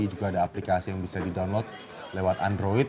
juga ada aplikasi yang bisa di download lewat android